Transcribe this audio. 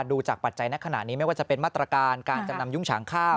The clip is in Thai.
ดูจากปัจจัยในขณะนี้ไม่ว่าจะเป็นมาตรการการจำนำยุ้งฉางข้าว